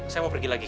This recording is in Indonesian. saya mau pergi lagi